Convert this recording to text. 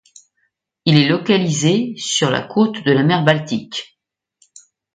Il est localisé sur la côte de la mer Baltique.